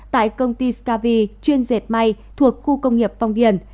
tại công ty scavi chuyên dệt may thuộc khu công nghiệp phong điền